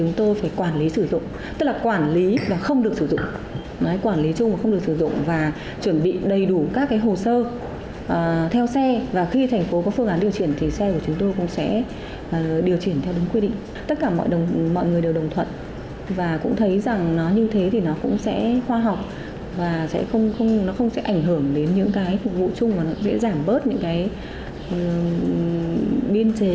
nó không sẽ ảnh hưởng đến những cái phục vụ chung mà nó dễ giảm bớt những cái biên chế